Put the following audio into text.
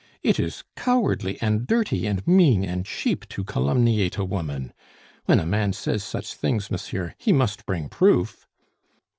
"It is cowardly, and dirty, and mean, and cheap, to calumniate a woman! When a man says such things, monsieur, he must bring proof."